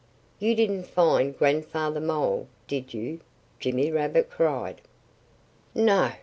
"You didn't find Grandfather Mole, did you?" Jimmy Rabbit cried. "No!"